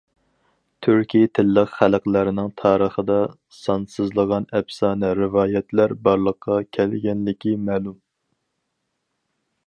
تۈركىي تىللىق خەلقلەرنىڭ تارىخىدا سانسىزلىغان ئەپسانە-رىۋايەتلەر بارلىققا كەلگەنلىكى مەلۇم.